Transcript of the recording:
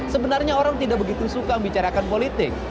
sebenarnya orang tidak begitu suka membicarakan politik